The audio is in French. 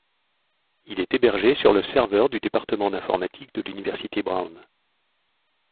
Il est hébergé sur le serveur du département d'informatique de l'université Brown.